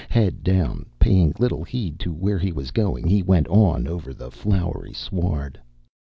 Head down, paying little heed to where he was going, he went on over the flowery sward.